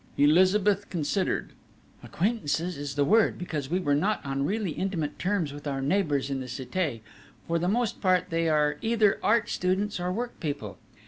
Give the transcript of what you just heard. Elizabeth considered: "Acquaintances is the word, because we were not on really intimate terms with our neighbours in the Cité; for the most part they are either art students or work people.